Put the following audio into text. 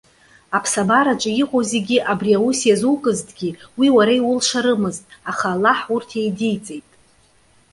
Аԥсабараҿы иҟоу зегьы, абри аус иазукызҭгьы, уи уара иулшарымызт, аха Аллаҳ урҭ иеидиҵеит.